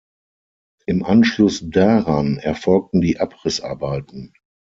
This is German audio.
Im Anschluss daran erfolgten die Abrissarbeiten.